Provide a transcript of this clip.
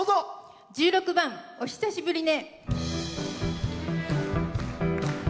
１６番「お久しぶりね」。